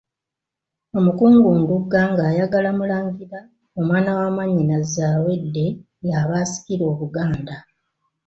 Omukungu Ndugga ng'ayagala Mulangira omwana wa mwannyina Zaawedde ye aba asikira Obuganda.